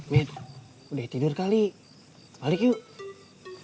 mit udah tidur kali balik yuk